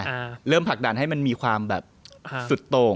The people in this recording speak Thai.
อ่าเริ่มผลักดันให้มันมีความแบบอ่าสุดโต่ง